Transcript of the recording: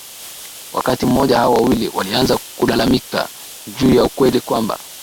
Wakati mmoja hao wawili walianza kulalamika juu ya ukweli kwamba